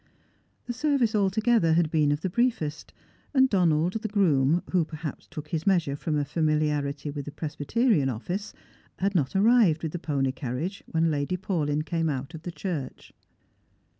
The service altogether had been of the briefest; and Donald the groom, who perhaps took his measure from a fami liarity with the Presbyterian office, had not arrived with the pony carriage when Lady Paulyn came out of the church.